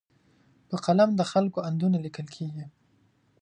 په قلم د خلکو اندونه لیکل کېږي.